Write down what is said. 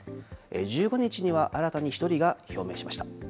１５日には新たに１人が表明しました。